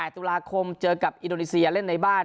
ตุลาคมเจอกับอินโดนีเซียเล่นในบ้าน